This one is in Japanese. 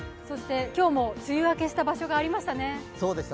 今日も梅雨明けした場所がありましたね。